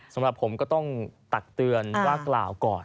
สำหรับผมก็ต้องตักเตือนว่ากล่าวก่อน